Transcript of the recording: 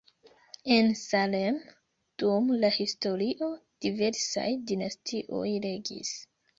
En Salem dum la historio diversaj dinastioj regis.